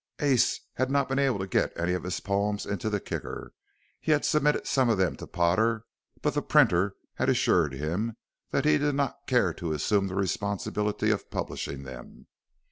Ace had not been able to get any of his poems into the Kicker. He had submitted some of them to Potter, but the printer had assured him that he did not care to assume the responsibility of publishing them.